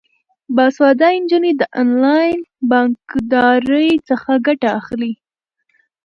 باسواده نجونې د انلاین بانکدارۍ څخه ګټه اخلي.